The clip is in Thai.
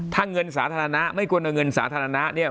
ถ้าเงินสาธารณะไม่ควรเอาเงินสาธารณะเนี่ย